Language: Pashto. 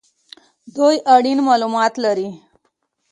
دوی اړین مالومات لري